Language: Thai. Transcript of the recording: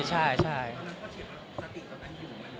ตอนนั้นพี่เฉียบเขาสติกเขาได้อยู่ไหมหรือสติกไปไหน